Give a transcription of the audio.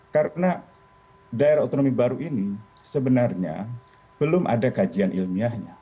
karena daerah otonomi baru ini sebenarnya belum ada kajian ilmiahnya